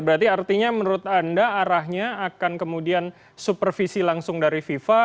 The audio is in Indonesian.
berarti artinya menurut anda arahnya akan kemudian supervisi langsung dari fifa